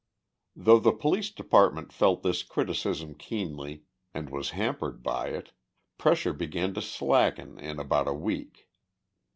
Though the Police Department felt this criticism keenly, and was hampered by it, pressure began to slacken in about a week.